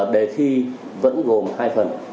đề thi vẫn gồm hai phần